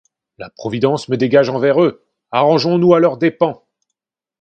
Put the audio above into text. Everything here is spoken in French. la Providence me dégage envers eux ; arrangeons-nous à leurs dépens !